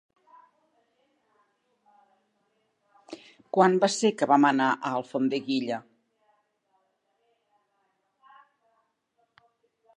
Quan va ser que vam anar a Alfondeguilla?